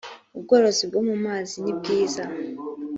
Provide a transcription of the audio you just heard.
ubworozi bwo mu mazi nibwiza